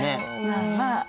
まあまあ。